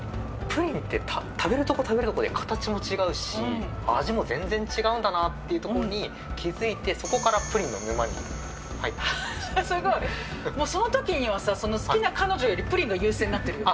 プリンって食べるとこ食べるとこで形も違うし、味も全然違うんだなっていうところに気付いてそこからプリンの沼すごい、そのときにはさ、その好きな彼女よりプリンが優先になってくるよね。